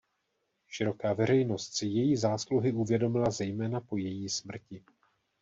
Široká veřejnost si její zásluhy uvědomila zejména po její smrti.